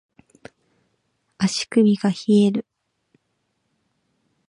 足首が冷える